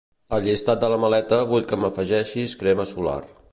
Al llistat de la maleta vull que m'afegeixis crema solar.